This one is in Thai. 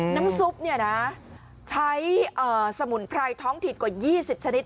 น้ำซุปเนี่ยนะใช้สมุนไพรท้องถิดกว่า๒๐ชนิด